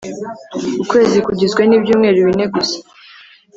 Ukwezi kugizwe n’ibyumweru bine gusa.